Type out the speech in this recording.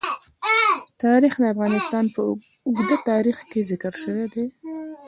تاریخ د افغانستان په اوږده تاریخ کې ذکر شوی دی.